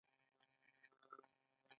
د تخار په ینګي قلعه کې څه شی شته؟